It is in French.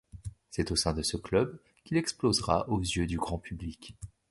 C'est au sein de ce club qu'il explosera aux yeux du grand public.